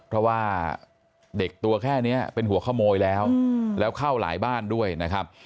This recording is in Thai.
เพราะว่าเด็กตัวแค่นี้เป็นหัวขโมยแล้วแล้วเข้าหลายบ้านด้วยนะครับ